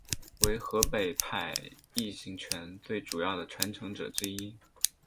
为河北派形意拳最主要的传承者之一。